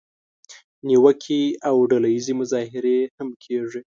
نیوکې او ډله اییزه مظاهرې هم کیږي.